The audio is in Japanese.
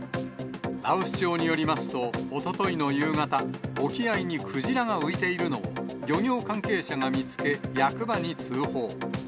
羅臼町によりますと、おとといの夕方、沖合にクジラが浮いているのを漁業関係者が見つけ、役場に通報。